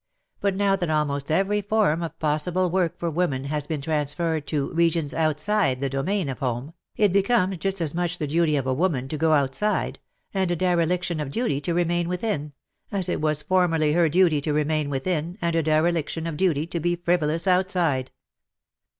But now that almost every form of possible work for women has been trans ferred to regions outside the domain of home, it becomes just as much the duty of a woman to go outside, and a dereliction of duty to remain within, as it was formerly her duty to remain within, and a dereliction of duty to be frivolous outside.